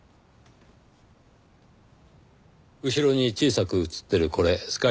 後ろに小さく写ってるこれスカイツリー。